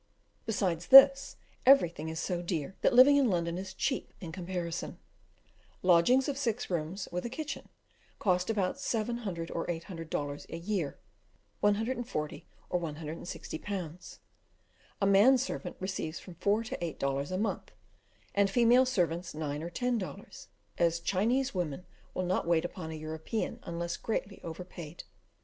Besides this, everything is so dear, that living in London is cheap in comparison. Lodgings of six rooms, with a kitchen, cost about 700 or 800 dollars a year (140 or 160 pounds). A man servant receives from four to eight dollars a month, and female servants nine or ten dollars, as Chinese women will not wait upon a European unless greatly overpaid.